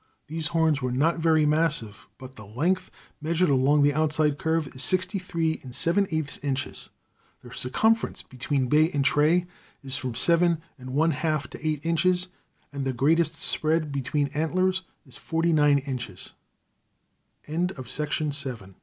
These horns were not very massive, but the length, measured along the outside curve, is sixty three and seven eighths inches. The circumference between bay and tray is from seven and one half to eight inches, and the greatest spread between antlers i